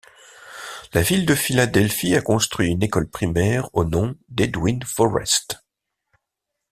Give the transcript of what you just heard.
La ville de Philadelphie a construit une école primaire au nom d'Edwin Forrest.